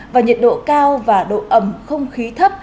và nhiệt độ cao và độ ẩm không khí thấp